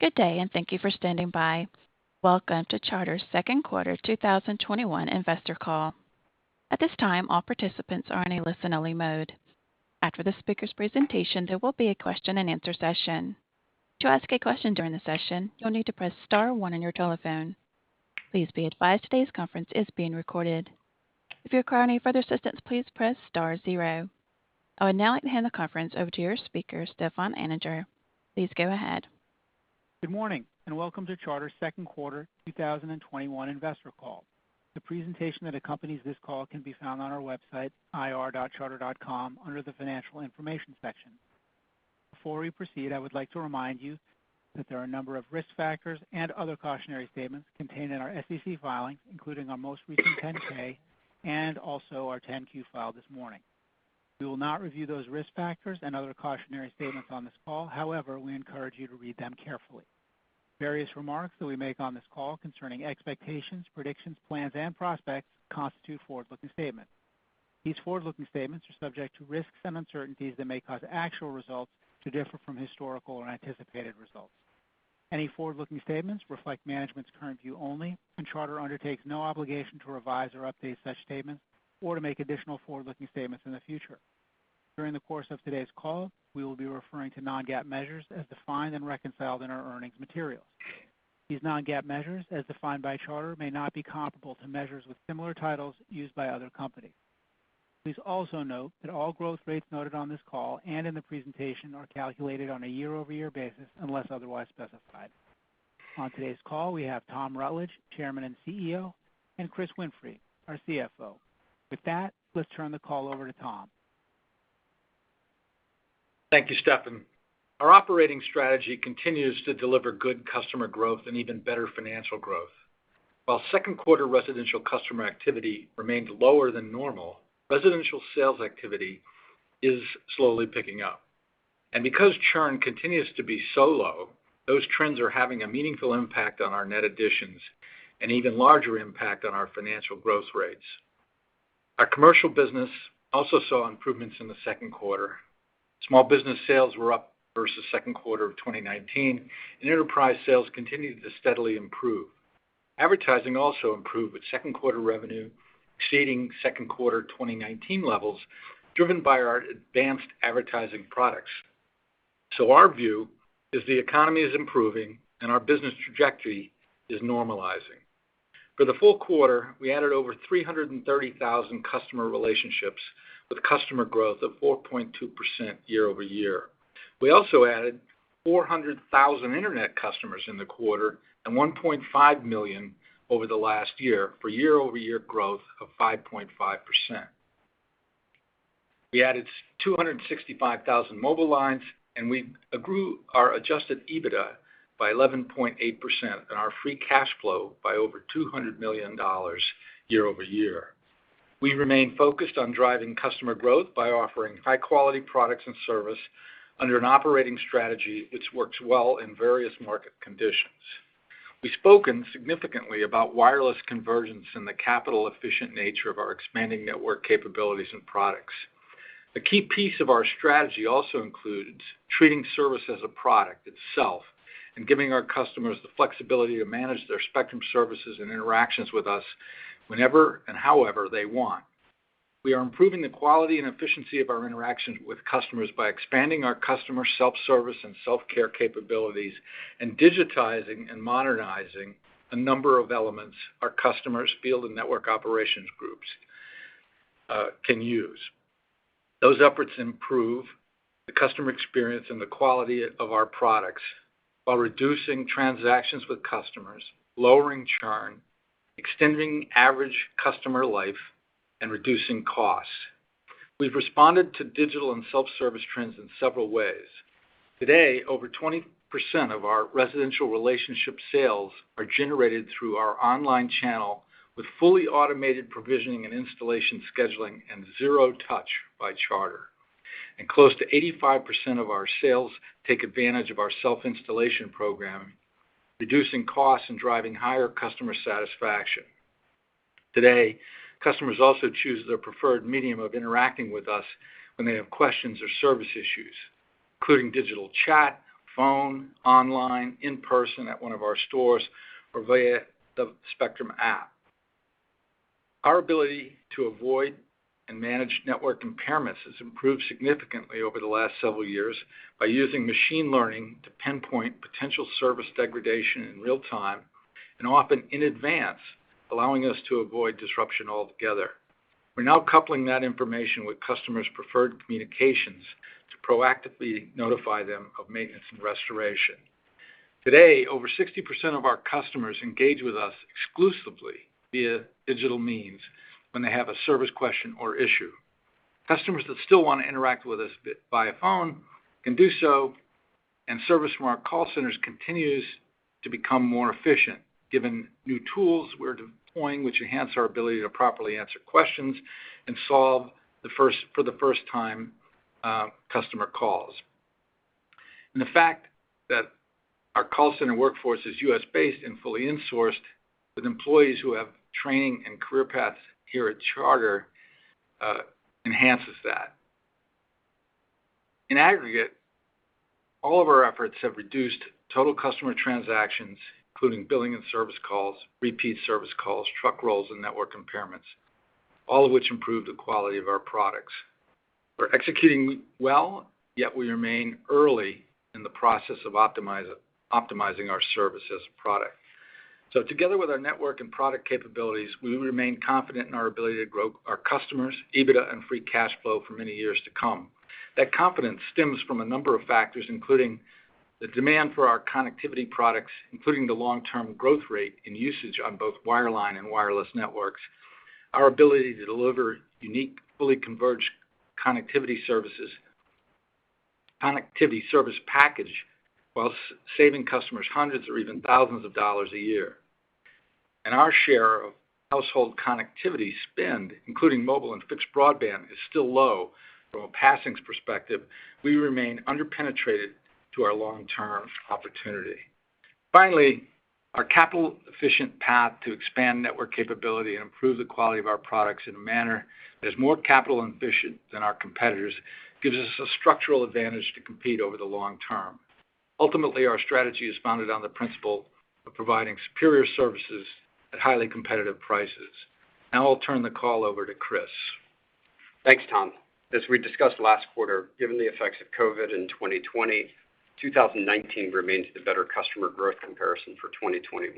Good day, and thank you for standing by. Welcome to Charter's Second Quarter 2021 Investor Call. At this time, all participants are in a listen-only mode. After the speaker's presentation, there will be a question-and-answer session. To ask a question during the session, you'll need to press star one on your telephone. Please be advised today's conference is being recorded. If you require any further assistance, please press star zero. I would now like to hand the conference over to your speaker, Stefan Anninger. Please go ahead. Good morning, and welcome to Charter's second quarter 2021 investor call. The presentation that accompanies this call can be found on our website, ir.charter.com, under the Financial Information section. Before we proceed, I would like to remind you that there are a number of risk factors and other cautionary statements contained in our SEC filings, including our most recent 10-K and also our 10-Q filed this morning. We will not review those risk factors and other cautionary statements on this call. However, we encourage you to read them carefully. Various remarks that we make on this call concerning expectations, predictions, plans, and prospects constitute forward-looking statements. These forward-looking statements are subject to risks and uncertainties that may cause actual results to differ from historical or anticipated results. Any forward-looking statements reflect management's current view only, and Charter undertakes no obligation to revise or update such statements or to make additional forward-looking statements in the future. During the course of today's call, we will be referring to non-GAAP measures as defined and reconciled in our earnings materials. These non-GAAP measures, as defined by Charter, may not be comparable to measures with similar titles used by other companies. Please also note that all growth rates noted on this call and in the presentation are calculated on a year-over-year basis unless otherwise specified. On today's call, we have Tom Rutledge, Chairman and CEO, and Chris Winfrey, our CFO. With that, let's turn the call over to Tom. Thank you, Stefan. Our operating strategy continues to deliver good customer growth and even better financial growth. While second quarter residential customer activity remained lower than normal, residential sales activity is slowly picking up. Because churn continues to be so low, those trends are having a meaningful impact on our net additions and even larger impact on our financial growth rates. Our commercial business also saw improvements in the second quarter. Small business sales were up versus second quarter of 2019. Enterprise sales continued to steadily improve. Advertising also improved, with second quarter revenue exceeding second quarter 2019 levels, driven by our advanced advertising products. Our view is the economy is improving and our business trajectory is normalizing. For the full quarter, we added over 330,000 customer relationships with customer growth of 4.2% year-over-year. We also added 400,000 Internet customers in the quarter and 1.5 million over the last year for year-over-year growth of 5.5%. We added 265,000 mobile lines, and we grew our adjusted EBITDA by 11.8% and our free cash flow by over $200 million year-over-year. We remain focused on driving customer growth by offering high-quality products and service under an operating strategy which works well in various market conditions. We've spoken significantly about wireless convergence and the capital-efficient nature of our expanding network capabilities and products. A key piece of our strategy also includes treating service as a product itself and giving our customers the flexibility to manage their Spectrum services and interactions with us whenever and however they want. We are improving the quality and efficiency of our interactions with customers by expanding our customer self-service and self-care capabilities and digitizing and modernizing a number of elements our customers' field and network operations groups can use. Those efforts improve the customer experience and the quality of our products while reducing transactions with customers, lowering churn, extending average customer life, and reducing costs. We've responded to digital and self-service trends in several ways. Today, over 20% of our residential relationship sales are generated through our online channel with fully automated provisioning and installation scheduling and zero touch by Charter. Close to 85% of our sales take advantage of our self-installation program, reducing costs and driving higher customer satisfaction. Today, customers also choose their preferred medium of interacting with us when they have questions or service issues, including digital chat, phone, online, in person at one of our stores, or via the Spectrum App. Our ability to avoid and manage network impairments has improved significantly over the last several years by using machine learning to pinpoint potential service degradation in real time and often in advance, allowing us to avoid disruption altogether. We're now coupling that information with customers' preferred communications to proactively notify them of maintenance and restoration. Today, over 60% of our customers engage with us exclusively via digital means when they have a service question or issue. Customers that still want to interact with us via phone can do so, and service from our call centers continues to become more efficient, given new tools we're deploying, which enhance our ability to properly answer questions and solve for the first time customer calls. The fact that our call center workforce is U.S.-based and fully insourced with employees who have training and career paths here at Charter enhances that. In aggregate, all of our efforts have reduced total customer transactions, including billing and service calls, repeat service calls, truck rolls, and network impairments, all of which improve the quality of our products. We're executing well, yet we remain early in the process of optimizing our service as a product. Together with our network and product capabilities, we remain confident in our ability to grow our customers, EBITDA, and free cash flow for many years to come. That confidence stems from a number of factors, including the demand for our connectivity products, including the long-term growth rate and usage on both wireline and wireless networks, our ability to deliver unique, fully converged connectivity service package, while saving customers hundreds or even thousands of dollars a year. Our share of household connectivity spend, including mobile and fixed broadband, is still low from a passings perspective. We remain under-penetrated to our long-term opportunity. Finally, our capital efficient path to expand network capability and improve the quality of our products in a manner that is more capital efficient than our competitors gives us a structural advantage to compete over the long term. Ultimately, our strategy is founded on the principle of providing superior services at highly competitive prices. Now I'll turn the call over to Chris. Thanks, Tom. As we discussed last quarter, given the effects of COVID in 2020, 2019 remains the better customer growth comparison for 2021.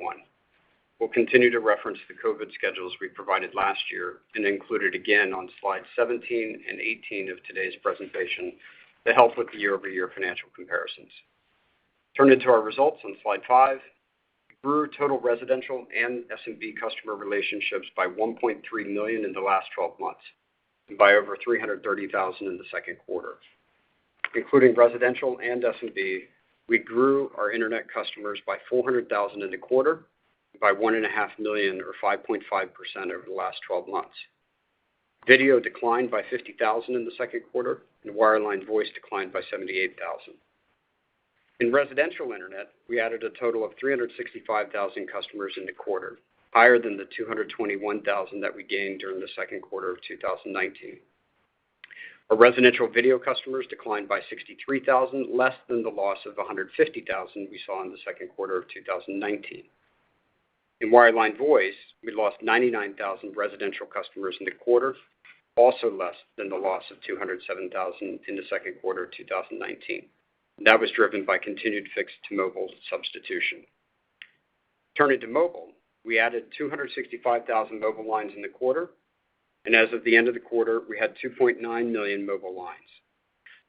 We'll continue to reference the COVID schedules we provided last year and include it again on slides 17 and 18 of today's presentation to help with the year-over-year financial comparisons. Turning to our results on slide five, we grew total residential and SMB customer relationships by 1.3 million in the last 12 months, and by over 330,000 in the second quarter. Including residential and SMB, we grew our internet customers by 400,000 in the quarter and by 1.5 million or 5.5% over the last 12 months. Video declined by 50,000 in the second quarter, and wireline voice declined by 78,000. In residential internet, we added a total of 365,000 customers in the quarter, higher than the 221,000 that we gained during the second quarter of 2019. Our residential video customers declined by 63,000, less than the loss of 150,000 we saw in the second quarter of 2019. In wireline voice, we lost 99,000 residential customers in the quarter, also less than the loss of 207,000 in the second quarter of 2019. That was driven by continued fixed to mobile substitution. Turning to mobile, we added 265,000 mobile lines in the quarter, and as of the end of the quarter, we had 2.9 million mobile lines.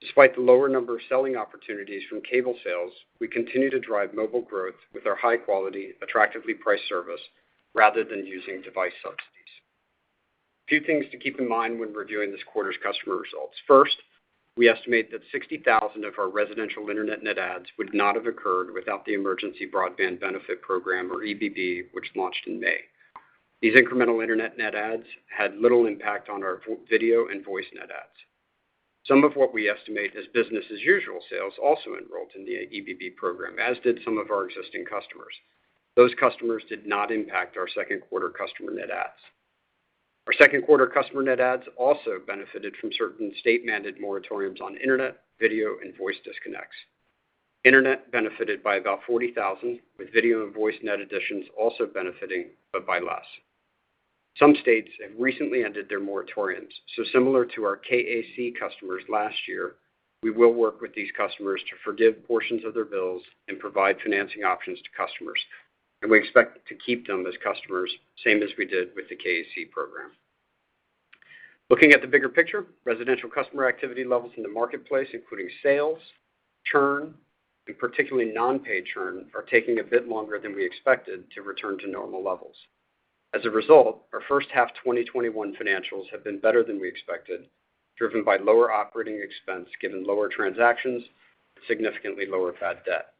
Despite the lower number of selling opportunities from cable sales, we continue to drive mobile growth with our high-quality, attractively priced service rather than using device subsidies. A few things to keep in mind when reviewing this quarter's customer results. First, we estimate that 60,000 of our residential internet net adds would not have occurred without the Emergency Broadband Benefit program, or EBB, which launched in May. These incremental internet net adds had little impact on our video and voice net adds. Some of what we estimate as business as usual sales also enrolled in the EBB program, as did some of our existing customers. Those customers did not impact our second quarter customer net adds. Our second quarter customer net adds also benefited from certain state-mandated moratoriums on internet, video, and voice disconnects. Internet benefited by about 40,000, with video and voice net additions also benefiting, but by less. Some states have recently ended their moratoriums, so similar to our KAC customers last year, we will work with these customers to forgive portions of their bills and provide financing options to customers, and we expect to keep them as customers, same as we did with the KAC program. Looking at the bigger picture, residential customer activity levels in the marketplace, including sales, churn, and particularly non-pay churn, are taking a bit longer than we expected to return to normal levels. As a result, our first half 2021 financials have been better than we expected, driven by lower operating expense given lower transactions, significantly lower bad debt.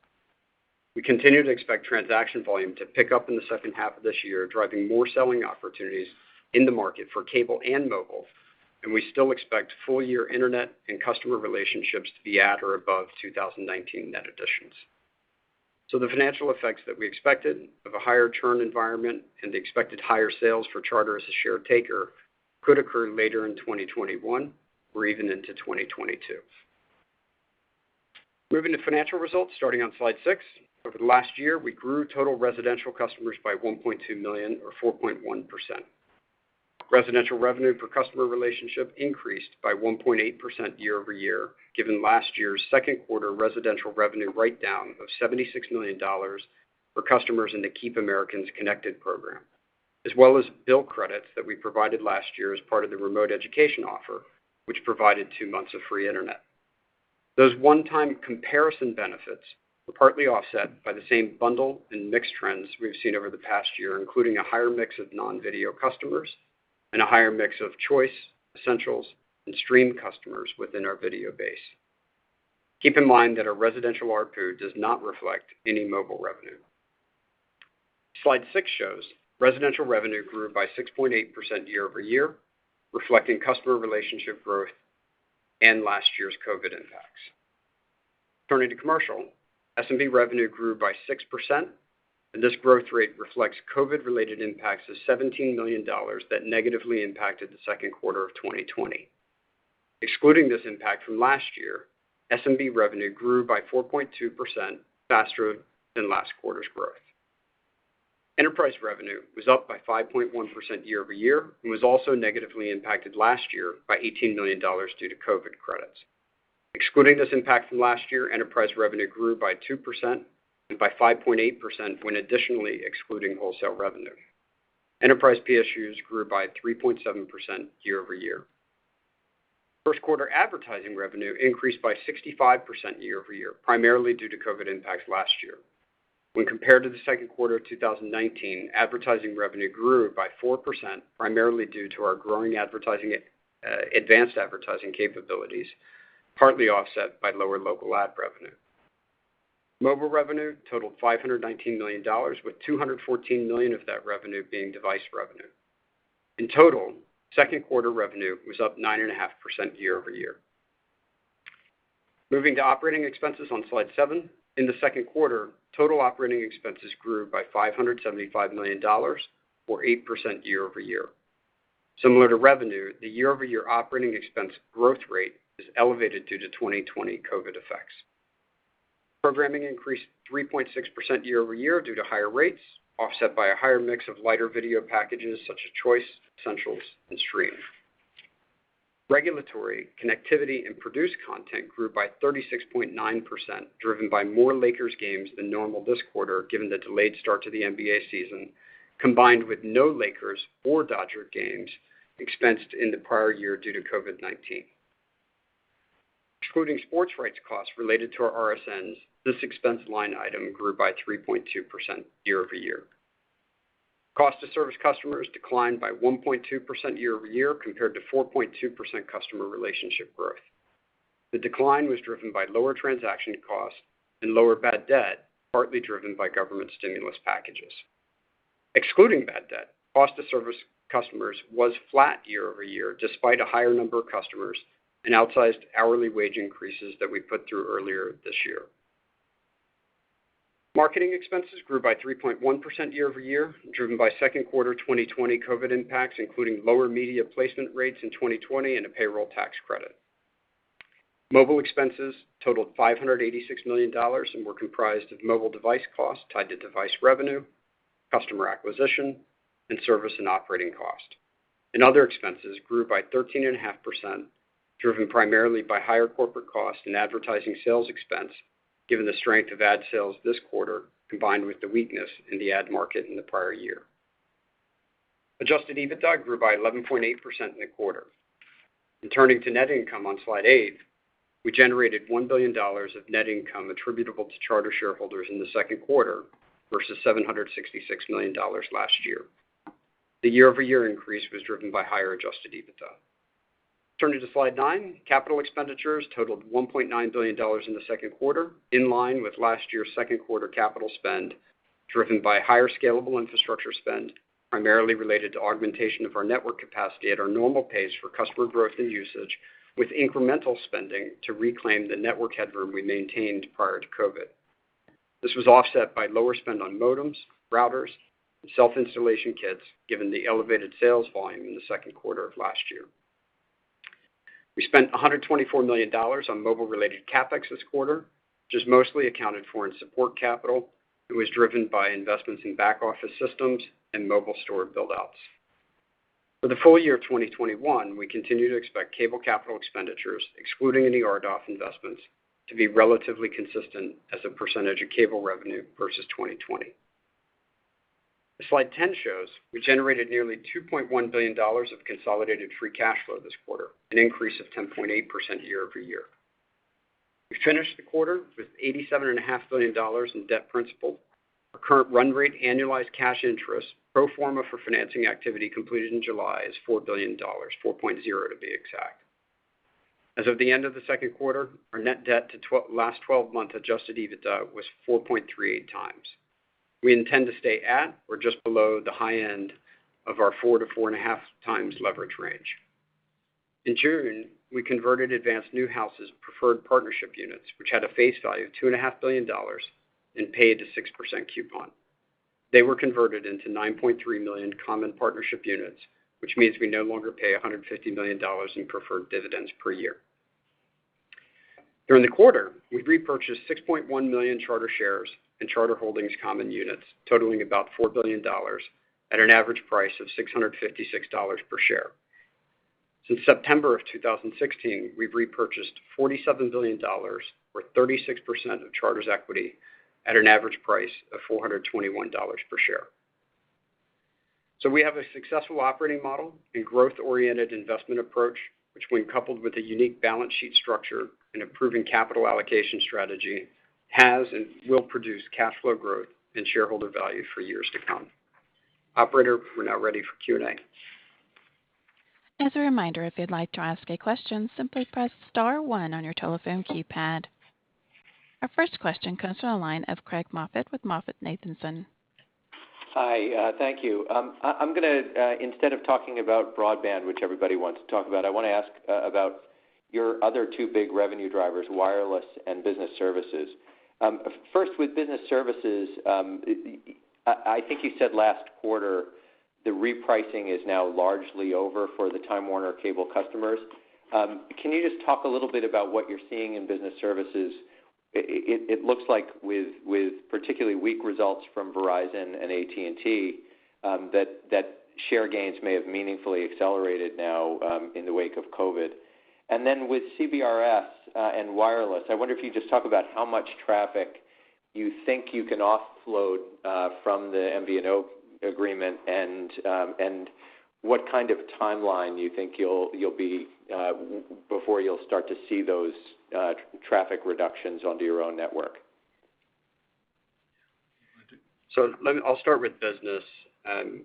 We continue to expect transaction volume to pick up in the second half of this year, driving more selling opportunities in the market for cable and mobile, and we still expect full year internet and customer relationships to be at or above 2019 net additions. The financial effects that we expected of a higher churn environment and the expected higher sales for Charter as a share taker could occur later in 2021 or even into 2022. Moving to financial results, starting on slide six. Over the last year, we grew total residential customers by 1.2 million or 4.1%. Residential revenue per customer relationship increased by 1.8% year-over-year, given last year's second quarter residential revenue write-down of $76 million for customers in the Keep Americans Connected program, as well as bill credits that we provided last year as part of the remote education offer, which provided two months of free internet. Those one-time comparison benefits were partly offset by the same bundle and mix trends we've seen over the past year, including a higher mix of non-video customers and a higher mix of Choice, Essentials, and Stream customers within our video base. Keep in mind that our residential ARPU does not reflect any mobile revenue. Slide six shows residential revenue grew by 6.8% year-over-year, reflecting customer relationship growth and last year's COVID impacts. Turning to commercial, SMB revenue grew by 6%. This growth rate reflects COVID related impacts of $17 million that negatively impacted the second quarter of 2020. Excluding this impact from last year, SMB revenue grew by 4.2%, faster than last quarter's growth. Enterprise revenue was up by 5.1% year-over-year and was also negatively impacted last year by $18 million due to COVID credits. Excluding this impact from last year, enterprise revenue grew by 2% and by 5.8% when additionally excluding wholesale revenue. Enterprise PSUs grew by 3.7% year-over-year. First quarter advertising revenue increased by 65% year-over-year, primarily due to COVID impacts last year. When compared to the second quarter of 2019, advertising revenue grew by 4%, primarily due to our growing advanced advertising capabilities, partly offset by lower local ad revenue. Mobile revenue totaled $519 million, with $214 million of that revenue being device revenue. In total, second quarter revenue was up 9.5% year-over-year. Moving to operating expenses on slide seven. In the second quarter, total operating expenses grew by $575 million, or 8% year-over-year. Similar to revenue, the year-over-year operating expense growth rate is elevated due to 2020 COVID effects. Programming increased 3.6% year-over-year due to higher rates, offset by a higher mix of lighter video packages such as Choice, Essentials, and Stream. Regulatory, connectivity, and produced content grew by 36.9%, driven by more Lakers games than normal this quarter, given the delayed start to the NBA season, combined with no Lakers or Dodgers games expensed in the prior year due to COVID-19. Excluding sports rights costs related to our RSNs, this expense line item grew by 3.2% year-over-year. Cost to service customers declined by 1.2% year-over-year compared to 4.2% customer relationship growth. The decline was driven by lower transaction costs and lower bad debt, partly driven by government stimulus packages. Excluding bad debt, cost to service customers was flat year-over-year, despite a higher number of customers and outsized hourly wage increases that we put through earlier this year. Marketing expenses grew by 3.1% year-over-year, driven by second quarter 2020 COVID impacts, including lower media placement rates in 2020 and a payroll tax credit. Mobile expenses totaled $586 million and were comprised of mobile device costs tied to device revenue, customer acquisition, and service and operating costs. Other expenses grew by 13.5%, driven primarily by higher corporate costs and advertising sales expense, given the strength of ad sales this quarter, combined with the weakness in the ad market in the prior year. Adjusted EBITDA grew by 11.8% in the quarter. Turning to net income on slide eight, we generated $1 billion of net income attributable to Charter shareholders in the second quarter versus $766 million last year. The year-over-year increase was driven by higher adjusted EBITDA. Turning to slide nine. Capital expenditures totaled $1.9 billion in the second quarter, in line with last year's second quarter capital spend, driven by higher scalable infrastructure spend, primarily related to augmentation of our network capacity at our normal pace for customer growth and usage, with incremental spending to reclaim the network headroom we maintained prior to COVID. This was offset by lower spend on modems, routers, and self-installation kits, given the elevated sales volume in the second quarter of last year. We spent $124 million on mobile related CapEx this quarter, which is mostly accounted for in support capital and was driven by investments in back office systems and mobile store buildouts. For the full year of 2021, we continue to expect cable capital expenditures, excluding any RDOF investments, to be relatively consistent as a percentage of cable revenue versus 2020. As slide 10 shows, we generated nearly $2.1 billion of consolidated free cash flow this quarter, an increase of 10.8% year-over-year. We finished the quarter with $87.5 billion in debt principal. Our current run rate annualized cash interest, pro forma for financing activity completed in July, is $4 billion, $4.0 billion to be exact. As of the end of the second quarter, our net debt to last 12-month adjusted EBITDA was 4.38x. We intend to stay at or just below the high end of our 4x-4.5x leverage range. In June, we converted Advance/Newhouse's preferred partnership units, which had a face value of $2.5 billion and paid a 6% coupon. They were converted into 9.3 million common partnership units, which means we no longer pay $150 million in preferred dividends per year. During the quarter, we've repurchased 6.1 million Charter shares and Charter Holdings common units totaling about $4 billion at an average price of $656 per share. Since September of 2016, we've repurchased $47 billion, or 36% of Charter's equity, at an average price of $421 per share. We have a successful operating model and growth-oriented investment approach, which when coupled with a unique balance sheet structure and improving capital allocation strategy, has and will produce cash flow growth and shareholder value for years to come. Operator, we're now ready for Q&A. As a reminder, if you'd like to ask a question, simply press star one on your telephone keypad. Our first question comes from the line of Craig Moffett with MoffettNathanson. Hi, thank you. Instead of talking about broadband, which everybody wants to talk about, I want to ask about your other two big revenue drivers, wireless and business services. First, with business services, I think you said last quarter the repricing is now largely over for the Time Warner Cable customers. Can you just talk a little bit about what you're seeing in business services? It looks like with particularly weak results from Verizon and AT&T, that share gains may have meaningfully accelerated now in the wake of COVID. Then with CBRS and wireless, I wonder if you'd just talk about how much traffic you think you can offload from the MVNO agreement and what kind of timeline you think before you'll start to see those traffic reductions onto your own network. I'll start with business, and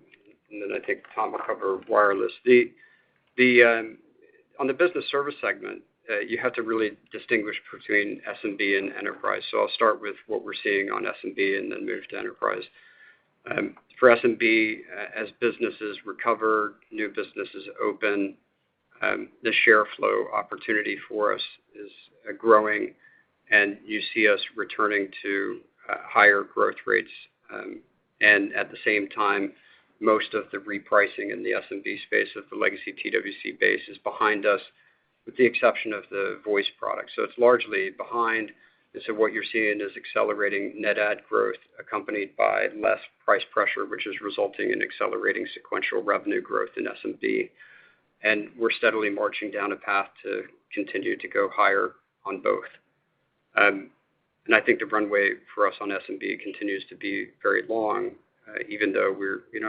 then I think Tom will cover wireless. On the business service segment, you have to really distinguish between SMB and enterprise. I'll start with what we're seeing on SMB and then move to enterprise. For SMB, as businesses recover, new businesses open, the share flow opportunity for us is growing, and you see us returning to higher growth rates. At the same time, most of the repricing in the SMB space of the legacy TWC base is behind us, with the exception of the voice product. It's largely behind, what you're seeing is accelerating net add growth accompanied by less price pressure, which is resulting in accelerating sequential revenue growth in SMB. We're steadily marching down a path to continue to go higher on both. I think the runway for us on SMB continues to be very long, even though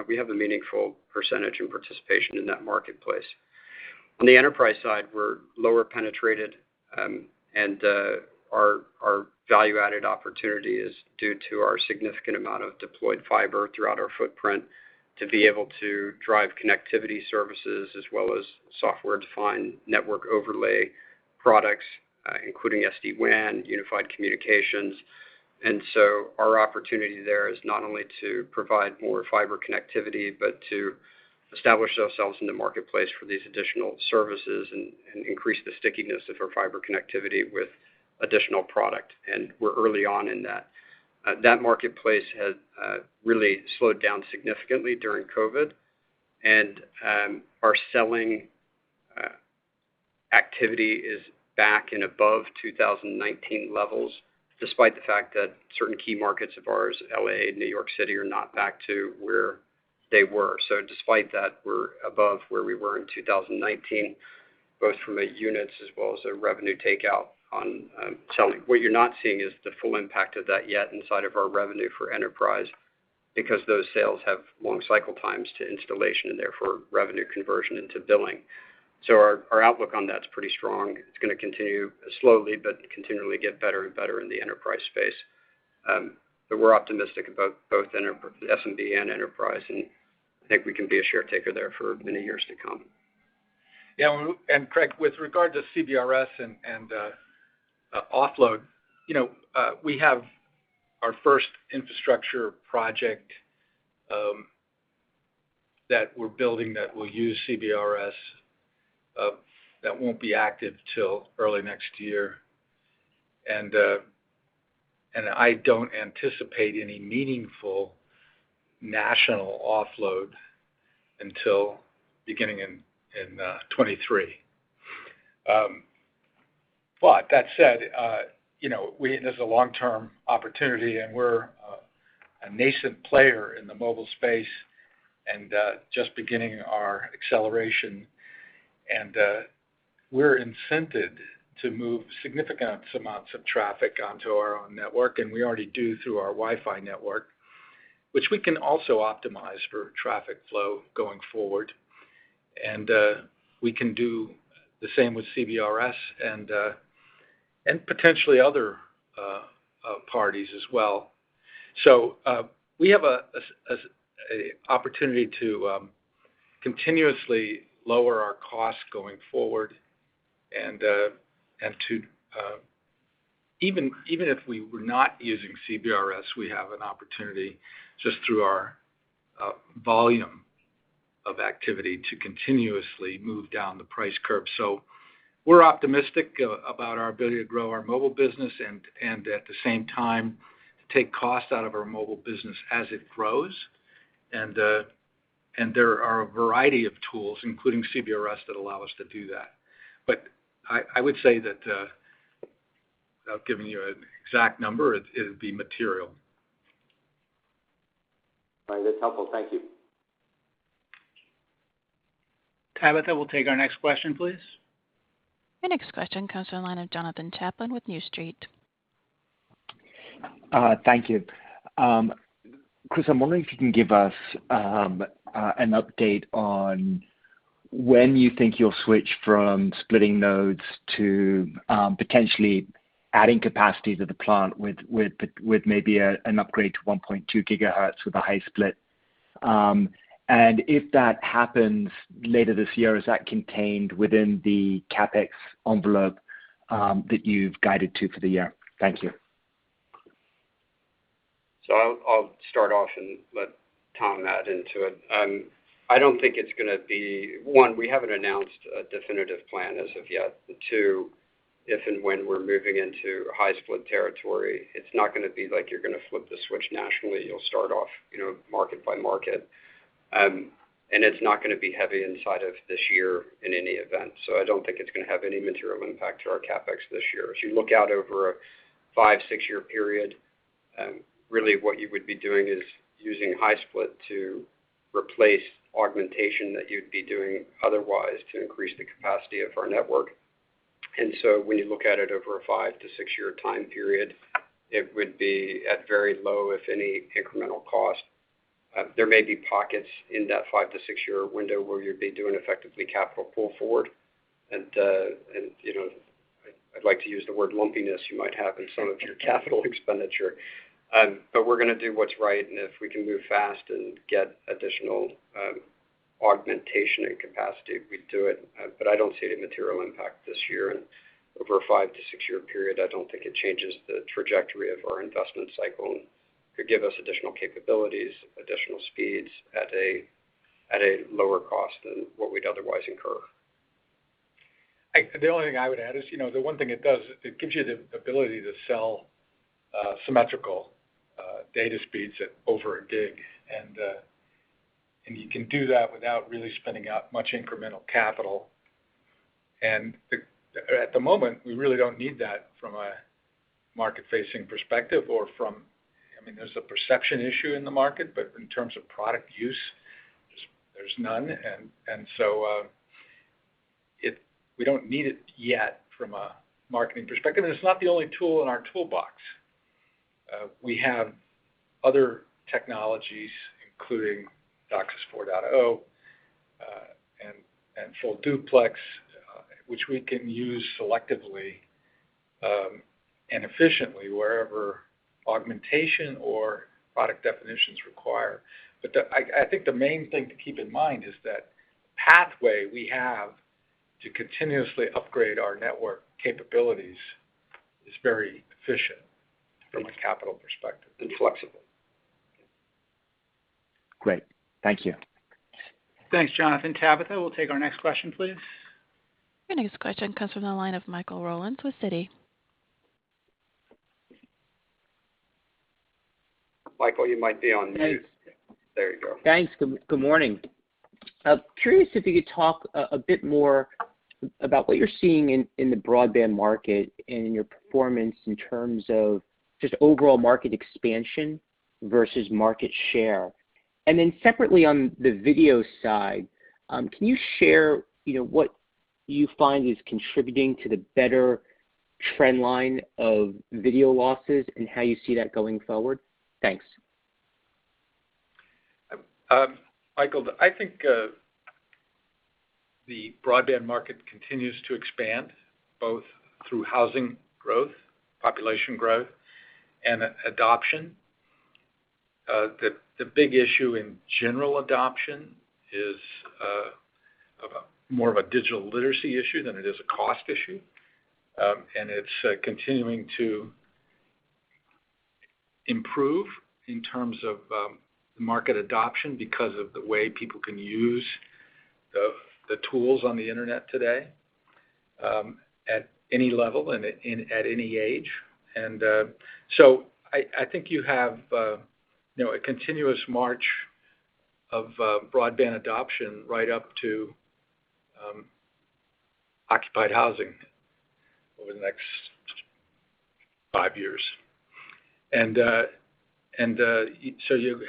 we have a meaningful percentage in participation in that marketplace. On the enterprise side, we're lower penetrated, and our value-added opportunity is due to our significant amount of deployed fiber throughout our footprint to be able to drive connectivity services as well as software-defined network overlay products, including SD-WAN, unified communications. Our opportunity there is not only to provide more fiber connectivity, but to establish ourselves in the marketplace for these additional services and increase the stickiness of our fiber connectivity with additional product. We're early on in that. That marketplace had really slowed down significantly during COVID, and our selling activity is back and above 2019 levels, despite the fact that certain key markets of ours, L.A., New York City, are not back to where they were. Despite that, we're above where we were in 2019, both from a units as well as a revenue takeout on selling. What you're not seeing is the full impact of that yet inside of our revenue for enterprise, because those sales have long cycle times to installation and therefore revenue conversion into billing. Our outlook on that's pretty strong. It's going to continue slowly but continually get better and better in the enterprise space. We're optimistic about both SMB and enterprise, and I think we can be a share taker there for many years to come. Yeah, Craig, with regard to CBRS and offload, we have our first infrastructure project that we're building that will use CBRS that won't be active till early next year. I don't anticipate any meaningful national offload until beginning in 2023. That said, this is a long-term opportunity, and we're a nascent player in the mobile space and just beginning our acceleration. We're incented to move significant amounts of traffic onto our own network, and we already do through our Wi-Fi network, which we can also optimize for traffic flow going forward. We can do the same with CBRS and potentially other parties as well. We have an opportunity to continuously lower our cost going forward and even if we were not using CBRS, we have an opportunity just through our volume of activity to continuously move down the price curve. We're optimistic about our ability to grow our mobile business and at the same time, take cost out of our mobile business as it grows. There are a variety of tools, including CBRS, that allow us to do that. I would say that without giving you an exact number, it'd be material. All right. That's helpful. Thank you. Tabitha, we'll take our next question, please. Your next question comes from the line of Jonathan Chaplin with New Street. Thank you. Chris, I'm wondering if you can give us an update on when you think you'll switch from splitting nodes to potentially adding capacity to the plant with maybe an upgrade to 1.2 GHz with a high-split. If that happens later this year, is that contained within the CapEx envelope that you've guided to for the year? Thank you. I'll start off and let Tom add into it. One, we haven't announced a definitive plan as of yet. Two, if and when we're moving into high-split territory, it's not going to be like you're going to flip the switch nationally. You'll start off market by market. It's not going to be heavy inside of this year in any event. I don't think it's going to have any material impact to our CapEx this year. As you look out over a five, six-year period, really what you would be doing is using high-split to replace augmentation that you'd be doing otherwise to increase the capacity of our network. When you look at it over a five to six-year time period, it would be at very low, if any, incremental cost. There may be pockets in that five to six-year window where you'd be doing effectively capital pull forward. I'd like to use the word lumpiness you might have in some of your capital expenditure. We're going to do what's right, and if we can move fast and get additional augmentation and capacity, we'd do it. I don't see any material impact this year, and over a five to six-year period, I don't think it changes the trajectory of our investment cycle, and could give us additional capabilities, additional speeds at a lower cost than what we'd otherwise incur. The only thing I would add is, the one thing it does is it gives you the ability to sell symmetrical data speeds at over a gig. You can do that without really spending out much incremental capital. At the moment, we really don't need that from a market-facing perspective or there's a perception issue in the market, but in terms of product use, there's none. We don't need it yet from a marketing perspective, and it's not the only tool in our toolbox. We have other technologies, including DOCSIS 4.0, and Full Duplex, which we can use selectively, and efficiently wherever augmentation or product definition's required. I think the main thing to keep in mind is that pathway we have to continuously upgrade our network capabilities is very efficient from a capital perspective and flexible. Great. Thank you. Thanks, Jonathan. Tabitha, we'll take our next question, please. Your next question comes from the line of Michael Rollins with Citi. Michael, you might be on mute. There you go. Thanks. Good morning. Curious if you could talk a bit more about what you're seeing in the broadband market and in your performance in terms of just overall market expansion versus market share. Separately on the video side, can you share what you find is contributing to the better trend line of video losses and how you see that going forward? Thanks. Michael, I think the broadband market continues to expand, both through housing growth, population growth, and adoption. The big issue in general adoption is more of a digital literacy issue than it is a cost issue. It's continuing to improve in terms of market adoption because of the way people can use the tools on the internet today, at any level and at any age. I think you have a continuous march of broadband adoption right up to occupied housing over the next five years. You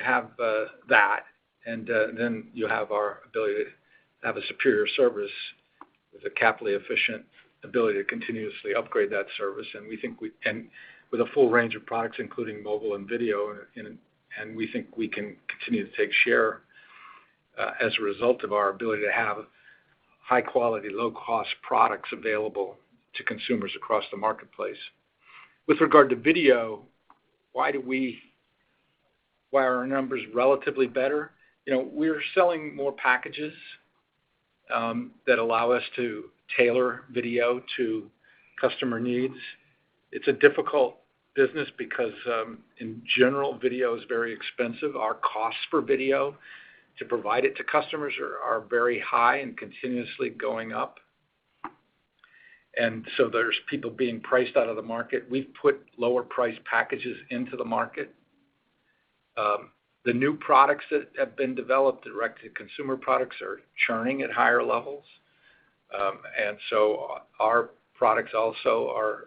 have that, and then you have our ability to have a superior service with a capitally efficient ability to continuously upgrade that service. With a full range of products, including mobile and video, and we think we can continue to take share, as a result of our ability to have high quality, low cost products available to consumers across the marketplace. With regard to video, why are our numbers relatively better? We're selling more packages that allow us to tailor video to customer needs. It's a difficult business because, in general, video is very expensive. Our costs for video to provide it to customers are very high and continuously going up. There's people being priced out of the market. We've put lower priced packages into the market. The new products that have been developed, direct-to-consumer products, are churning at higher levels. Our products also are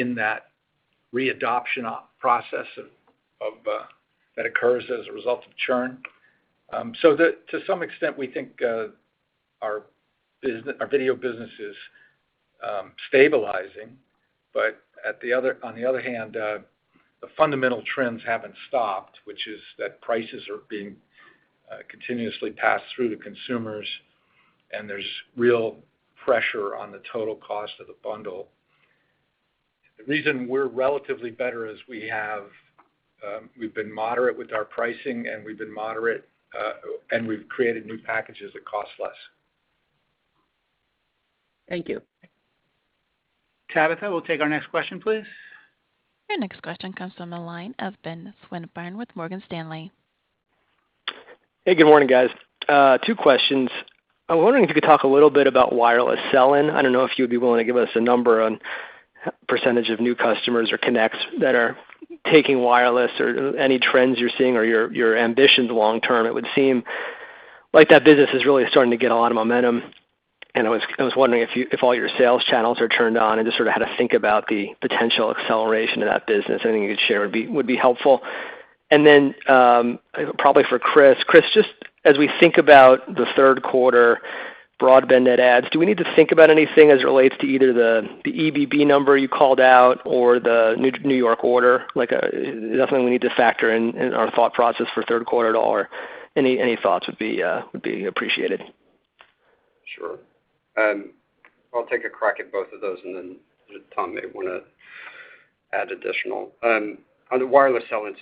in that re-adoption process that occurs as a result of churn. To some extent, we think our video business is stabilizing. On the other hand, the fundamental trends haven't stopped, which is that prices are being continuously passed through to consumers, and there's real pressure on the total cost of the bundle. The reason we're relatively better is we've been moderate with our pricing, and we've created new packages that cost less. Thank you. Tabitha, we'll take our next question, please. Your next question comes from the line of Ben Swinburne with Morgan Stanley. Hey, good morning, guys. Two questions. I'm wondering if you could talk a little bit about wireless sell-in. I don't know if you would be willing to give us a number on percentage of new customers or connects that are taking wireless or any trends you're seeing or your ambitions long term. It would seem like that business is really starting to get a lot of momentum, and I was wondering if all your sales channels are turned on and just how to think about the potential acceleration of that business. Anything you could share would be helpful. Probably for Chris. Chris, just as we think about the third quarter broadband net adds, do we need to think about anything as it relates to either the EBB number you called out or the New York order? Like, is that something we need to factor in our thought process for third quarter at all, or any thoughts would be appreciated. Sure. I'll take a crack at both of those. Tom may want to add additional. On the wireless sell-in,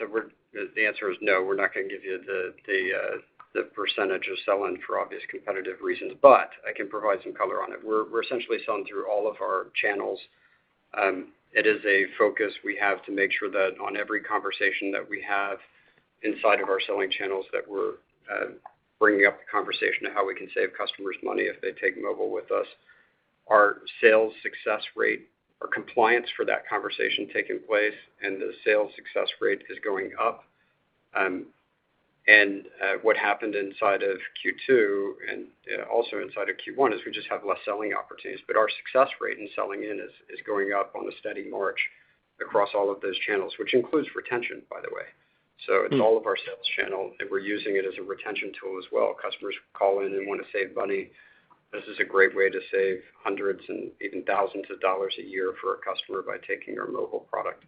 the answer is no, we're not going to give you the percentage of sell-in for obvious competitive reasons, but I can provide some color on it. We're essentially selling through all of our channels. It is a focus we have to make sure that on every conversation that we have inside of our selling channels, that we're bringing up the conversation of how we can save customers money if they take mobile with us. Our sales success rate or compliance for that conversation taking place and the sales success rate is going up. What happened inside of Q2, and also inside of Q1, is we just have less selling opportunities. Our success rate in selling in is going up on a steady march across all of those channels, which includes retention, by the way. It's all of our sales channel, and we're using it as a retention tool as well. Customers call in and want to save money. This is a great way to save hundreds and even thousands of dollars a year for a customer by taking our mobile product.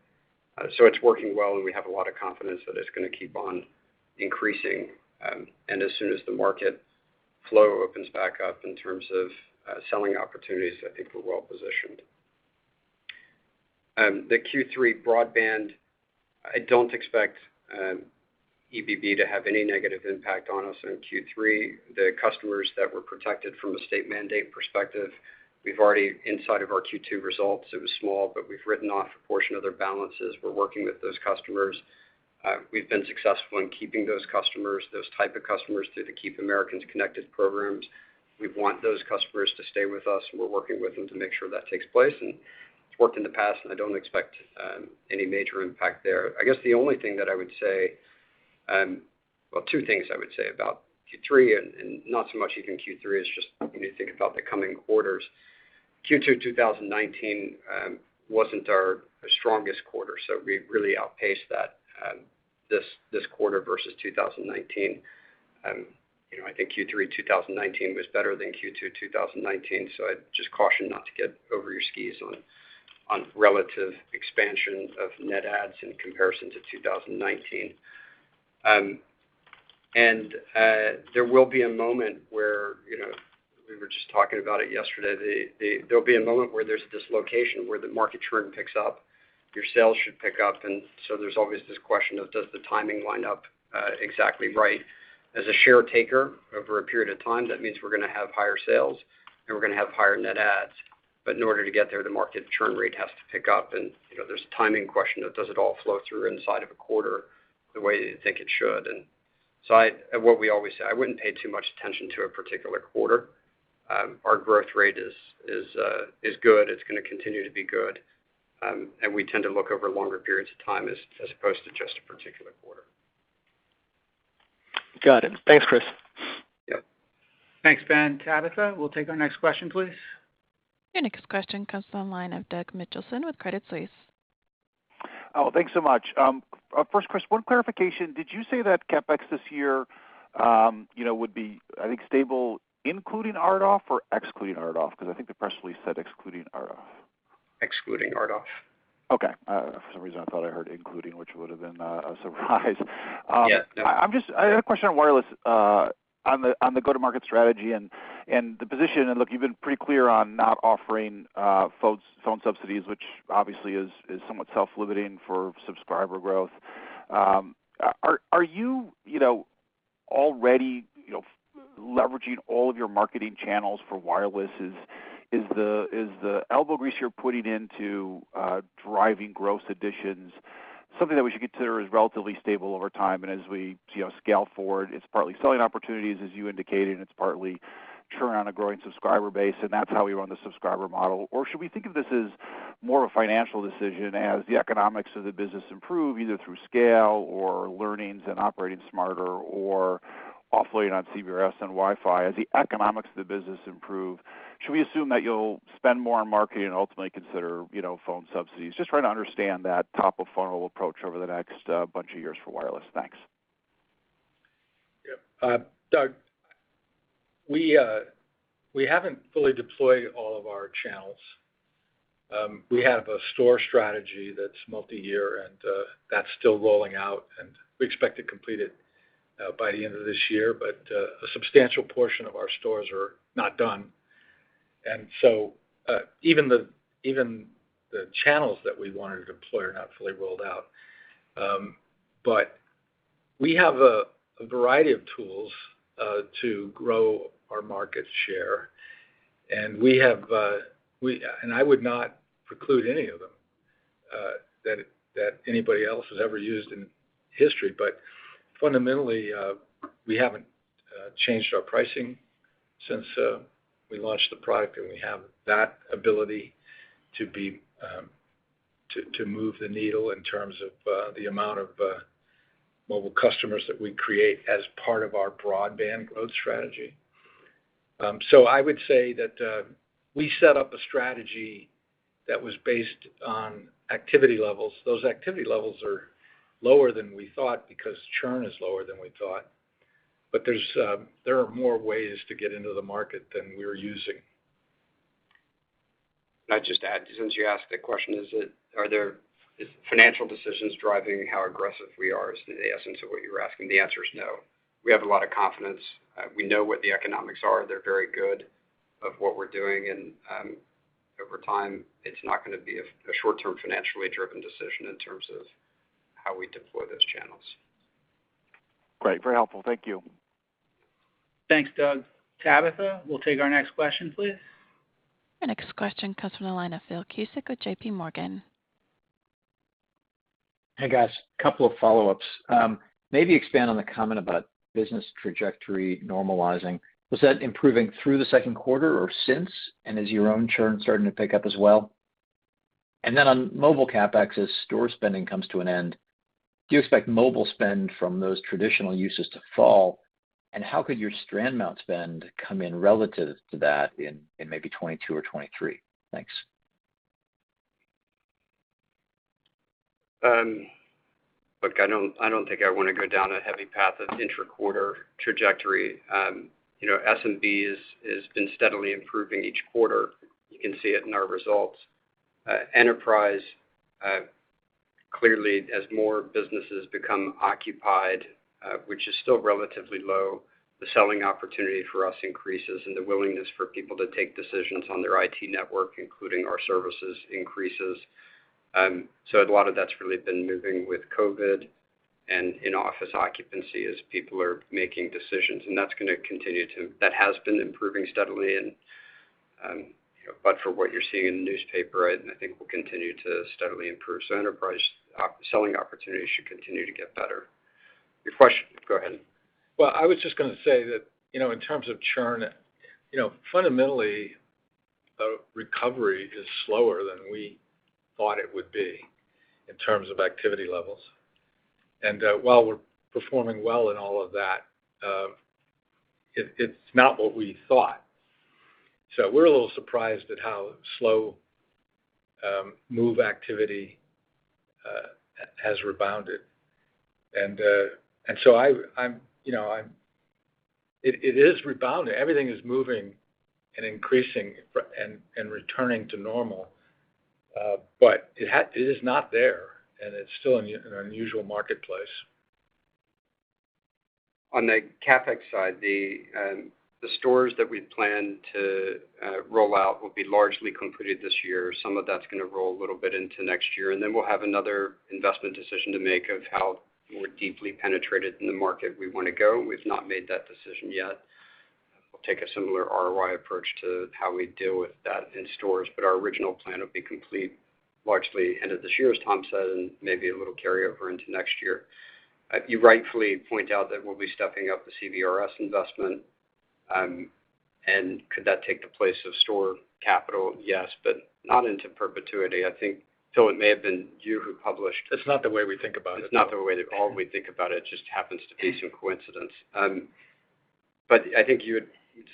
It's working well, and we have a lot of confidence that it's going to keep on increasing. As soon as the market flow opens back up in terms of selling opportunities, I think we're well positioned. The Q3 broadband, I don't expect EBB to have any negative impact on us in Q3. The customers that were protected from a state mandate perspective, we've already, inside of our Q2 results, it was small, but we've written off a portion of their balances. We're working with those customers. We've been successful in keeping those customers, those type of customers, through the Keep Americans Connected programs. We want those customers to stay with us. We're working with them to make sure that takes place, and it's worked in the past, and I don't expect any major impact there. I guess the only thing that I would say, well, two things I would say about Q3, and not so much even Q3, it's just when you think about the coming quarters. Q2 2019 wasn't our strongest quarter, so we really outpaced that, this quarter versus 2019. I think Q3 2019 was better than Q2 2019. I'd just caution not to get over your skis on relative expansion of net adds in comparison to 2019. There will be a moment where, we were just talking about it yesterday, there'll be a moment where there's dislocation where the market churn picks up, your sales should pick up. There's always this question of, does the timing line up exactly right? As a share taker over a period of time, that means we're going to have higher sales, and we're going to have higher net adds. In order to get there, the market churn rate has to pick up, and there's a timing question of, does it all flow through inside of a quarter the way you think it should? What we always say, I wouldn't pay too much attention to a particular quarter. Our growth rate is good. It's going to continue to be good. We tend to look over longer periods of time as opposed to just a particular quarter. Got it. Thanks, Chris. Yes. Thanks, Ben. Tabitha, we'll take our next question, please. Your next question comes from the line of Doug Mitchelson with Credit Suisse. Oh, thanks so much. First, Chris, one clarification. Did you say that CapEx this year would be, I think, stable including RDOF or excluding RDOF? I think the press release said excluding RDOF. Excluding RDOF. Okay. For some reason, I thought I heard including, which would have been a surprise. Yeah, no. I had a question on wireless, on the go-to-market strategy and the position. Look, you've been pretty clear on not offering phone subsidies, which obviously is somewhat self-limiting for subscriber growth. Are you already leveraging all of your marketing channels for wireless? Is the elbow grease you're putting into driving gross additions something that we should consider as relatively stable over time, and as we scale forward, it's partly selling opportunities, as you indicated, and it's partly churn on a growing subscriber base, and that's how we run the subscriber model? Should we think of this as more a financial decision as the economics of the business improve, either through scale or learnings and operating smarter or offloading on CBRS and Wi-Fi? As the economics of the business improve, should we assume that you'll spend more on marketing and ultimately consider phone subsidies? Just trying to understand that top-of-funnel approach over the next bunch of years for wireless. Thanks. Yeah. Doug, we haven't fully deployed all of our channels. We have a store strategy that's multi-year, and that's still rolling out, and we expect to complete it. By the end of this year. A substantial portion of our stores are not done. Even the channels that we wanted to deploy are not fully rolled out. We have a variety of tools to grow our market share, and I would not preclude any of them that anybody else has ever used in history. Fundamentally, we haven't changed our pricing since we launched the product, and we have that ability to move the needle in terms of the amount of mobile customers that we create as part of our broadband growth strategy. I would say that we set up a strategy that was based on activity levels. Those activity levels are lower than we thought because churn is lower than we thought. There are more ways to get into the market than we're using. I'd just add, since you asked the question, is it financial decisions driving how aggressive we are, is the essence of what you were asking. The answer is no. We have a lot of confidence. We know what the economics are, they're very good, of what we're doing. Over time, it's not going to be a short-term financially driven decision in terms of how we deploy those channels. Great. Very helpful. Thank you. Thanks, Doug. Tabitha, we'll take our next question, please. The next question comes from the line of Phil Cusick with JPMorgan. Hey, guys. A couple of follow-ups. Maybe expand on the comment about business trajectory normalizing. Was that improving through the second quarter or since? Is your own churn starting to pick up as well? On mobile CapEx, as store spending comes to an end, do you expect mobile spend from those traditional uses to fall? How could your strand mount spend come in relative to that in maybe 2022 or 2023? Thanks. Look, I don't think I want to go down a heavy path of intra-quarter trajectory. SMB has been steadily improving each quarter. You can see it in our results. Enterprise, clearly, as more businesses become occupied, which is still relatively low, the selling opportunity for us increases, and the willingness for people to take decisions on their IT network, including our services, increases. A lot of that's really been moving with COVID and in-office occupancy as people are making decisions. That has been improving steadily. For what you're seeing in the newspaper, I think we'll continue to steadily improve. Enterprise selling opportunities should continue to get better. Your question, go ahead. I was just going to say that, in terms of churn, fundamentally, recovery is slower than we thought it would be in terms of activity levels. While we're performing well in all of that, it's not what we thought. We're a little surprised at how slow move activity has rebounded. It is rebounding. Everything is moving and increasing and returning to normal. It is not there, and it's still in an unusual marketplace. On the CapEx side, the stores that we plan to roll out will be largely completed this year. Some of that's going to roll a little bit into next year, and then we'll have another investment decision to make of how deeply penetrated in the market we want to go. We've not made that decision yet. We'll take a similar ROI approach to how we deal with that in stores, but our original plan will be complete largely end of this year, as Tom said, and maybe a little carryover into next year. You rightfully point out that we'll be stepping up the CBRS investment. Could that take the place of store capital? Yes, but not into perpetuity. I think, Phil, it may have been you who published. It's not the way we think about it. It's not the way at all we think about it, just happens to be some coincidence. I think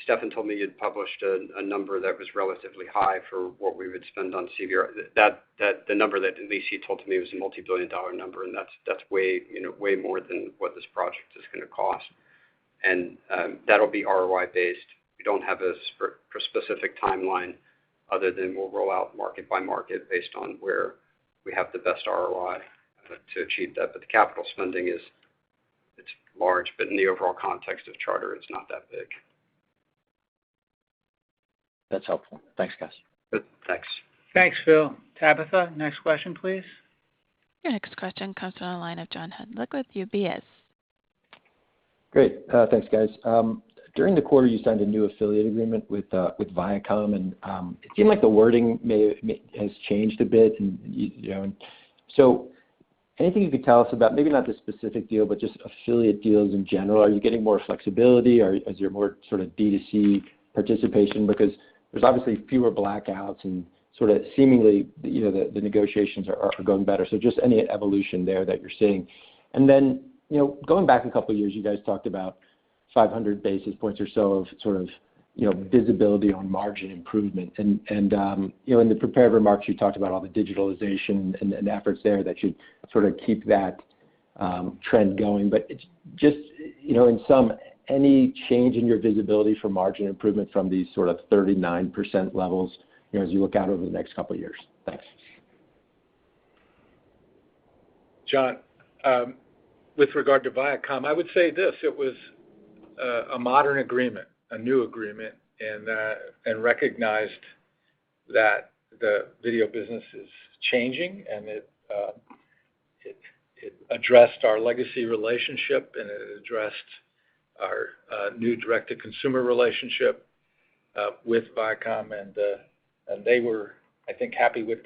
Stefan told me you'd published a number that was relatively high for what we would spend on CBRS, the number that at least he told me was a multi-billion dollar number, and that's way more than what this project is going to cost. That'll be ROI based. We don't have a specific timeline other than we'll roll out market by market based on where we have the best ROI to achieve that. The capital spending is large, but in the overall context of Charter, it's not that big. That's helpful. Thanks, guys. Good. Thanks. Thanks, Phil. Tabitha, next question, please. Your next question comes from the line of John Hodulik with UBS. Great. Thanks, guys. During the quarter, you signed a new affiliate agreement with Viacom, and it seemed like the wording has changed a bit. Anything you could tell us about, maybe not the specific deal, but just affiliate deals in general. Are you getting more flexibility? As you're more D2C participation, because there's obviously fewer blackouts and seemingly, the negotiations are going better. Just any evolution there that you're seeing. Going back a couple of years, you guys talked about 500 basis points or so of visibility on margin improvement. In the prepared remarks, you talked about all the digitalization and efforts there that should keep that trend going. Just in sum, any change in your visibility for margin improvement from these 39% levels as you look out over the next couple of years? Thanks. John, with regard to Viacom, I would say this, it was a modern agreement, a new agreement, and recognized that the video business is changing, and it addressed our legacy relationship, and it addressed our new direct-to-consumer relationship with Viacom. They were, I think, happy with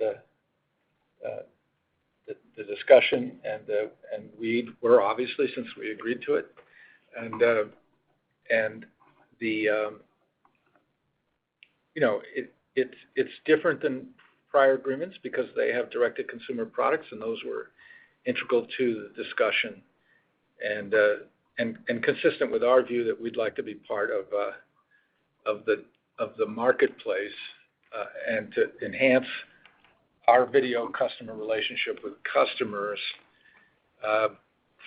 the discussion and we were obviously, since we agreed to it. It's different than prior agreements because they have direct-to-consumer products, and those were integral to the discussion, and consistent with our view that we'd like to be part of the marketplace, and to enhance our video customer relationship with customers,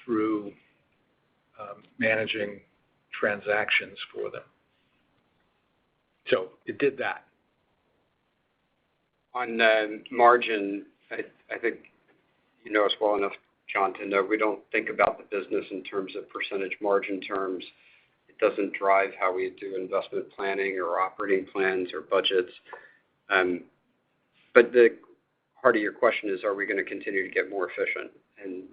through managing transactions for them. It did that. On the margin, I think you know us well enough, John, to know we don't think about the business in terms of percentage margin terms. It doesn't drive how we do investment planning or operating plans or budgets. The heart of your question is, are we going to continue to get more efficient?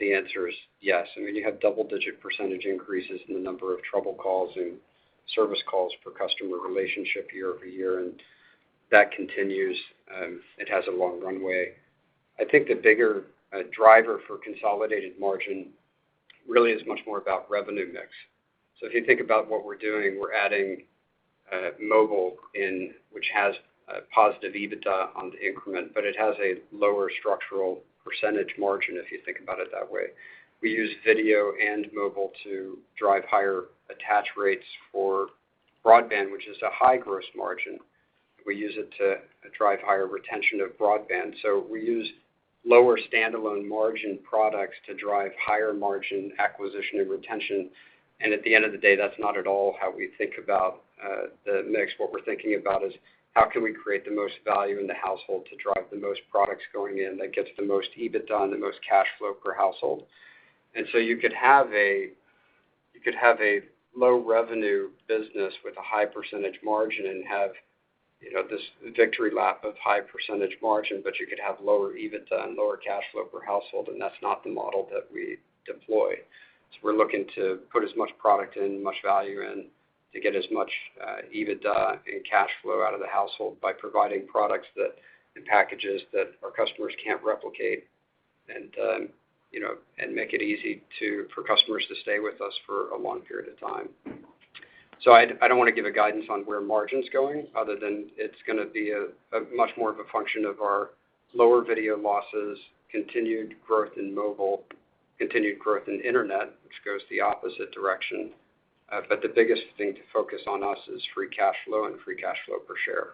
The answer is yes. I mean, you have double-digit percentage increases in the number of trouble calls and service calls per customer relationship year-over-year, and that continues. It has a long runway. I think the bigger driver for consolidated margin really is much more about revenue mix. If you think about what we're doing, we're adding mobile in, which has a positive EBITDA on the increment, but it has a lower structural percentage margin, if you think about it that way. We use video and mobile to drive higher attach rates for broadband, which is a high gross margin. We use it to drive higher retention of broadband. We use lower standalone margin products to drive higher margin acquisition and retention. At the end of the day, that's not at all how we think about the mix. What we're thinking about is how can we create the most value in the household to drive the most products going in that gets the most EBITDA and the most cash flow per household. You could have a low revenue business with a high percentage margin and have this victory lap of high percentage margin, but you could have lower EBITDA and lower cash flow per household, and that's not the model that we deploy. We're looking to put as much product in, much value in to get as much EBITDA and cash flow out of the household by providing products and packages that our customers can't replicate and make it easy for customers to stay with us for a long period of time. I don't want to give a guidance on where margin's going other than it's going to be a much more of a function of our lower video losses, continued growth in mobile, continued growth in internet, which goes the opposite direction. The biggest thing to focus on us is free cash flow and free cash flow per share.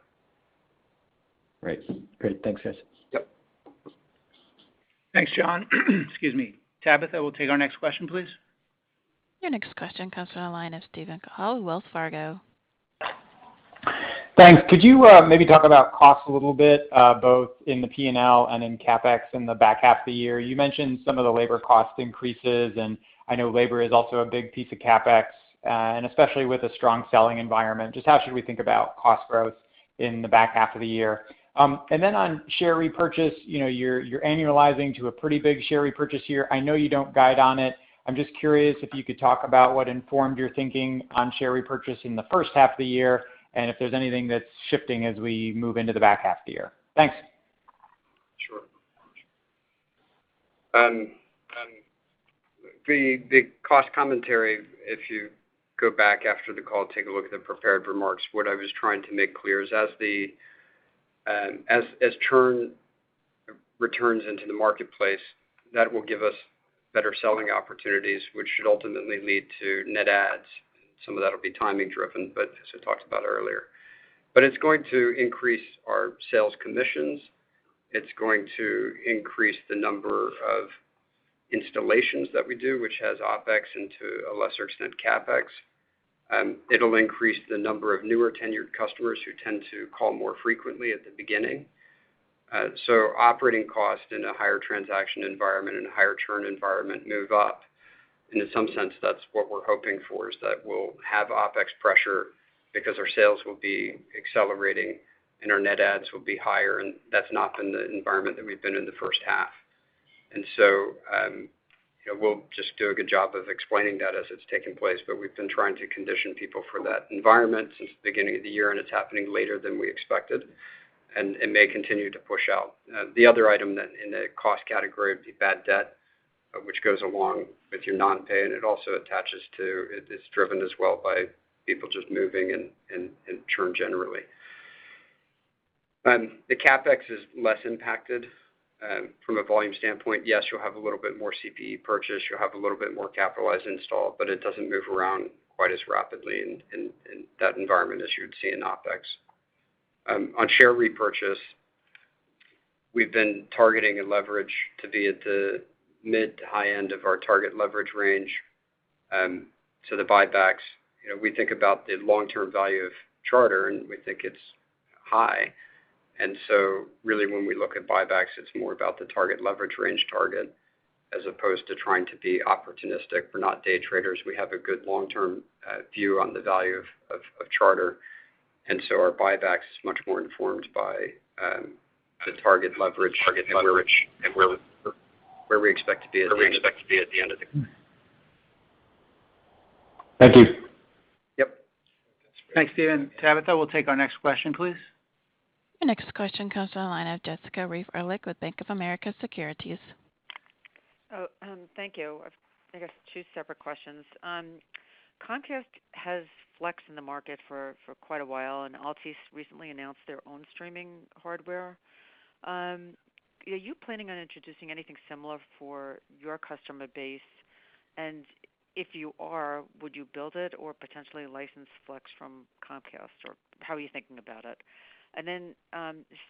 Right. Great. Thanks, guys. Yes. Thanks, John. Excuse me. Tabitha will take our next question, please. Your next question comes from the line of Steven Cahall, Wells Fargo. Thanks. Could you maybe talk about cost a little bit, both in the P&L and in CapEx in the back half of the year? You mentioned some of the labor cost increases, and I know labor is also a big piece of CapEx. Especially with a strong selling environment, just how should we think about cost growth in the back half of the year? On share repurchase, you're annualizing to a pretty big share repurchase here. I know you don't guide on it. I'm just curious if you could talk about what informed your thinking on share repurchase in the first half of the year, and if there's anything that's shifting as we move into the back half of the year. Thanks. Sure. The cost commentary, if you go back after the call, take a look at the prepared remarks. What I was trying to make clear is as churn returns into the marketplace, that will give us better selling opportunities, which should ultimately lead to net adds. Some of that will be timing driven, as I talked about earlier. It's going to increase our sales commissions. It's going to increase the number of installations that we do, which adds OpEx into, a lesser extent, CapEx. It'll increase the number of newer tenured customers who tend to call more frequently at the beginning. Operating cost in a higher transaction environment and a higher churn environment move up. In some sense, that's what we're hoping for, is that we'll have OpEx pressure because our sales will be accelerating and our net adds will be higher, and that's not been the environment that we've been in the first half. We'll just do a good job of explaining that as it's taking place, but we've been trying to condition people for that environment since the beginning of the year, and it's happening later than we expected and may continue to push out. The other item in the cost category would be bad debt, which goes along with your non-pay, and it also attaches to, it's driven as well by people just moving and churn generally. The CapEx is less impacted. From a volume standpoint, yes, you'll have a little bit more CPE purchase, you'll have a little bit more capitalized install, but it doesn't move around quite as rapidly in that environment as you would see in OpEx. On share repurchase, we've been targeting a leverage to be at the mid to high end of our target leverage range. The buybacks, we think about the long-term value of Charter, and we think it's high. Really when we look at buybacks, it's more about the target leverage range target as opposed to trying to be opportunistic. We're not day traders. We have a good long-term view on the value of Charter. Our buybacks is much more informed by the target leverage and where we expect to be at the end of the year. Thank you. Yes. Thanks, Steven. Tabitha, we'll take our next question, please. The next question comes from the line of Jessica Reif Ehrlich with Bank of America Securities. Oh, thank you. I guess two separate questions. Comcast has Flex in the market for quite a while, and Altice recently announced their own streaming hardware. Are you planning on introducing anything similar for your customer base? If you are, would you build it or potentially license Flex from Comcast, or how are you thinking about it?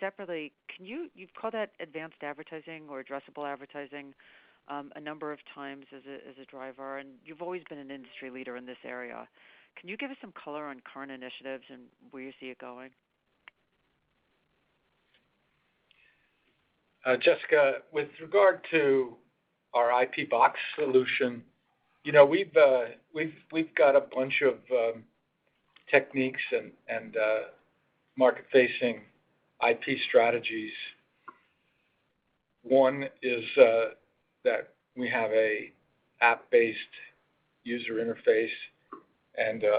Separately, you've called that advanced advertising or addressable advertising a number of times as a driver, and you've always been an industry leader in this area. Can you give us some color on current initiatives and where you see it going? Jessica, with regard to our IP box solution, we've got a bunch of techniques and market-facing IP strategies. One is that we have an app-based user interface,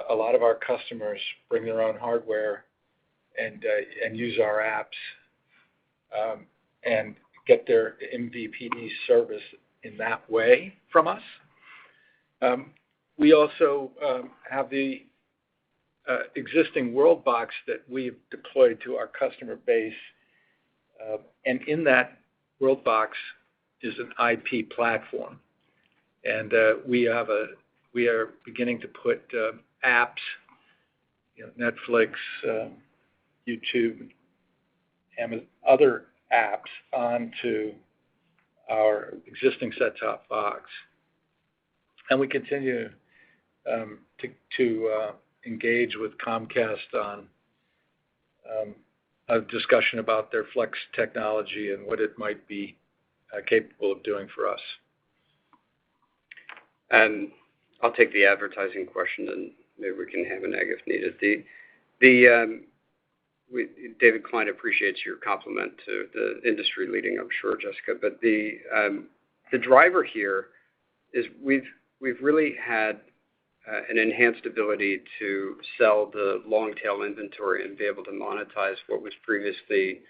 a lot of our customers bring their own hardware and use our apps, and get their MVPD service in that way from us. We also have the existing WorldBox that we've deployed to our customer base. In that WorldBox is an IP platform. We are beginning to put apps, Netflix, YouTube, Amazon, other apps onto our existing set-top box. We continue to engage with Comcast on a discussion about their Flex technology and what it might be capable of doing for us. I'll take the advertising question, and maybe we can have an add if needed. David Kline appreciates your compliment to the industry leading, I'm sure, Jessica. The driver here is we've really had an enhanced ability to sell the long-tail inventory and be able to monetize what was previously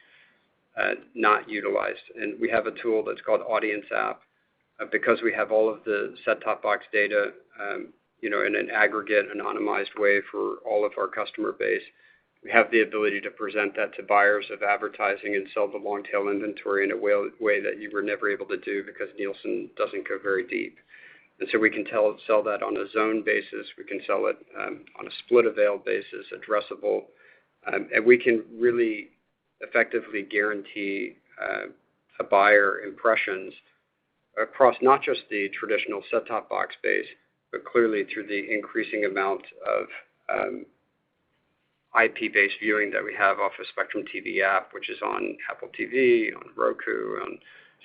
not utilized. We have a tool that's called AudienceApp. Because we have all of the set-top box data in an aggregate, anonymized way for all of our customer base, we have the ability to present that to buyers of advertising and sell the long-tail inventory in a way that you were never able to do because Nielsen doesn't go very deep. We can sell that on a zone basis, we can sell it on a split avail basis, addressable, and we can really effectively guarantee a buyer impressions across not just the traditional set-top box base, but clearly through the increasing amount of IP-based viewing that we have off a Spectrum TV App, which is on Apple TV, on Roku, on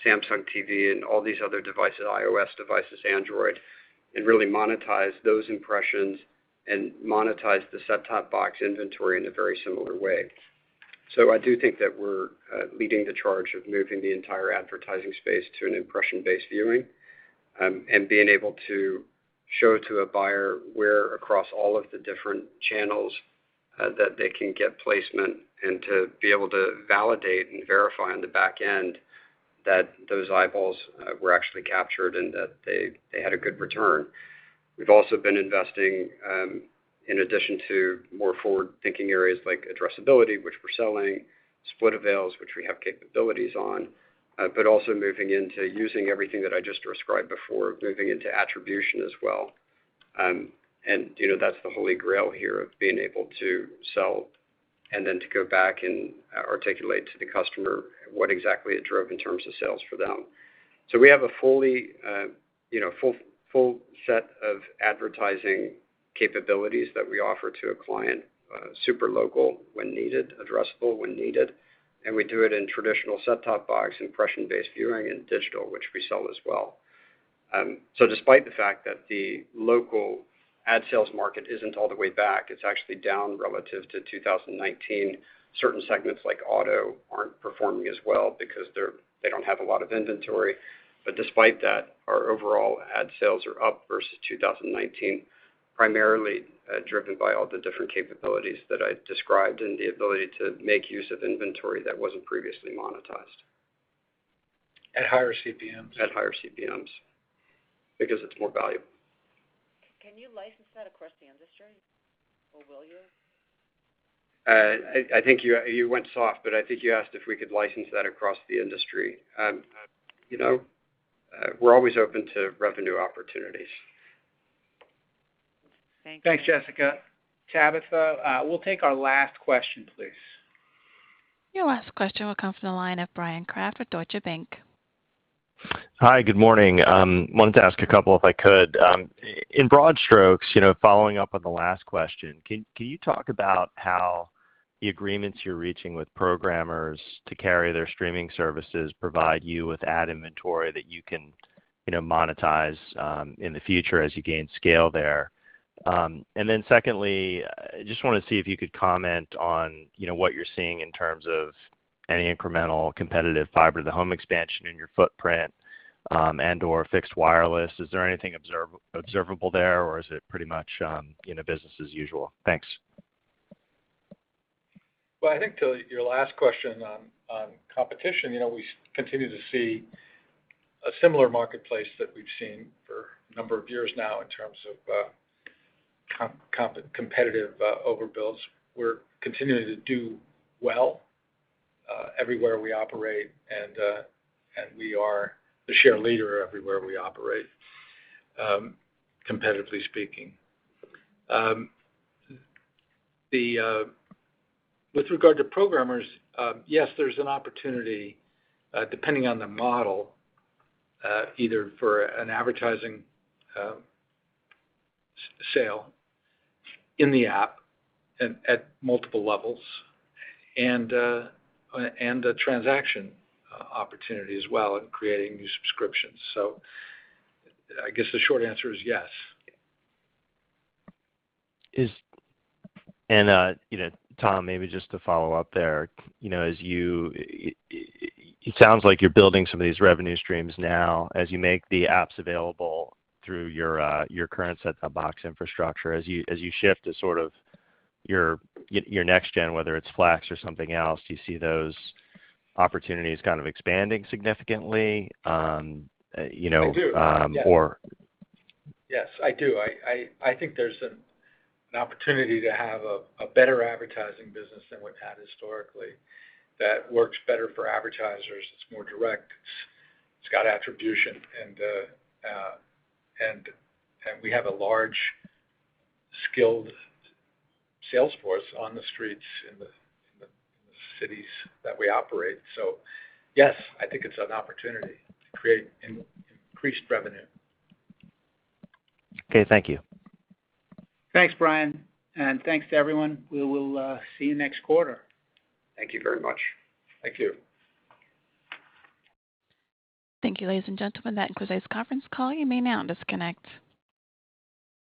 Samsung TV, and all these other devices, iOS devices, Android, and really monetize those impressions and monetize the set-top box inventory in a very similar way. I do think that we're leading the charge of moving the entire advertising space to an impression-based viewing, and being able to show to a buyer where across all of the different channels that they can get placement, and to be able to validate and verify on the back end that those eyeballs were actually captured and that they had a good return. We've also been investing, in addition to more forward-thinking areas like addressability, which we're selling, split avails, which we have capabilities on, but also moving into using everything that I just described before, moving into attribution as well. That's the holy grail here of being able to sell and then to go back and articulate to the customer what exactly it drove in terms of sales for them. We have a full set of advertising capabilities that we offer to a client, super local when needed, addressable when needed, and we do it in traditional set-top box, impression-based viewing, and digital, which we sell as well. Despite the fact that the local ad sales market isn't all the way back, it's actually down relative to 2019. Certain segments like auto aren't performing as well because they don't have a lot of inventory. Despite that, our overall ad sales are up versus 2019, primarily driven by all the different capabilities that I described and the ability to make use of inventory that wasn't previously monetized. At higher CPMs. At higher CPMs because it's more valuable. Can you license that across the industry, or will you? I think you went soft, but I think you asked if we could license that across the industry. We're always open to revenue opportunities. Thank you. Thanks, Jessica. Tabitha, we'll take our last question, please. Your last question will come from the line of Bryan Kraft with Deutsche Bank. Hi, good morning. Wanted to ask a couple if I could. In broad strokes, following up on the last question, can you talk about how the agreements you're reaching with programmers to carry their streaming services provide you with ad inventory that you can monetize in the future as you gain scale there? Then secondly, just wanted to see if you could comment on what you're seeing in terms of any incremental competitive fiber-to-the-home expansion in your footprint, and/or fixed wireless. Is there anything observable there, or is it pretty much business as usual? Thanks. I think to your last question on competition, we continue to see a similar marketplace that we've seen for a number of years now in terms of competitive overbuilds. We're continuing to do well everywhere we operate, and we are the share leader everywhere we operate, competitively speaking. With regard to programmers, yes, there's an opportunity, depending on the model, either for an advertising sale in the app at multiple levels and a transaction opportunity as well in creating new subscriptions. I guess the short answer is yes. Tom, maybe just to follow up there. It sounds like you're building some of these revenue streams now as you make the apps available through your current set-top box infrastructure. As you shift to sort of your next gen, whether it's Flex or something else, do you see those opportunities kind of expanding significantly? I do. Or- Yes, I do. I think there's an opportunity to have a better advertising business than we've had historically that works better for advertisers. It's more direct. It's got attribution. We have a large, skilled sales force on the streets in the cities that we operate. Yes, I think it's an opportunity to create increased revenue. Okay, thank you. Thanks, Bryan. Thanks to everyone. We will see you next quarter. Thank you very much. Thank you. Thank you, ladies and gentlemen. That concludes today's conference call. You may now disconnect.